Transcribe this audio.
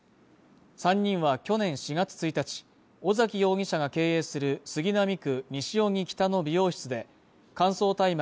３人は去年４月１日、尾崎容疑者が経営する杉並区西荻北の美容室で乾燥大麻